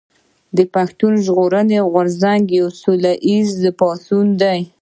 پښتون ژغورني غورځنګ يو سوله ايز پاڅون دي